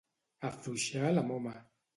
Afluixar la moma.